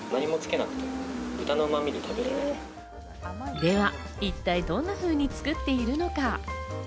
では一体どんなふうに作っているのか？